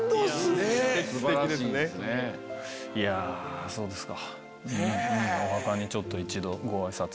いやそうですか。